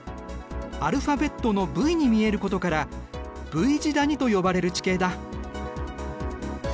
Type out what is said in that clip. アルファベットのＶに見えることからＶ字谷と呼ばれる地形だ。